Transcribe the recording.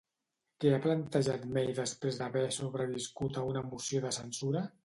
Què ha plantejat May després d'haver sobreviscut a una moció de censura?